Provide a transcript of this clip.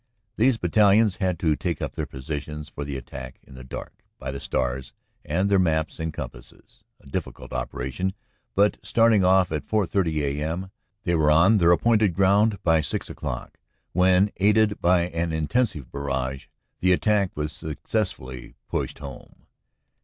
These battalions had to take up their positions for the attack in the dark by the stars and their maps and compasses, a difficult operation, but, starting off at 4.30 a.m., they were on their appointed ground by six o clock, when aided by an intensive barrage, the attack was successfully pushed home.